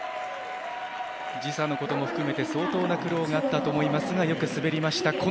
時差のことも含めて、相当な苦労があったと思いますがよく滑りました